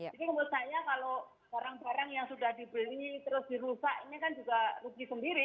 jadi menurut saya kalau barang barang yang sudah dibeli terus dirusak ini kan juga rugi sendiri